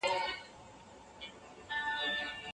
موږ د خپلې ټولنې د پرمختګ لپاره پلان لرو.